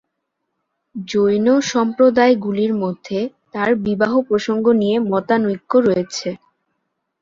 জৈন সম্প্রদায়গুলির মধ্যে তার বিবাহ প্রসঙ্গ নিয়ে মতানৈক্য রয়েছে।